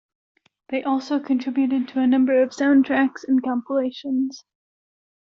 They also contributed to a number of soundtracks and compilations.